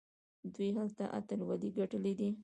دوی هلته اتلولۍ ګټلي دي.